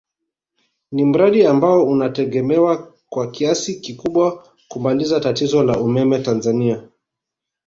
Ni mradi ambao unategemewa kwa kiasi kikubwa kumaliza tatizo la umeme Tanzania